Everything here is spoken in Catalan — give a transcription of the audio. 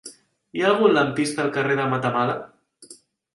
Hi ha algun lampista al carrer de Matamala?